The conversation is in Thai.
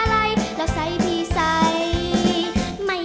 แล้วใส่พี่ใส่ไม่มาเอาใจ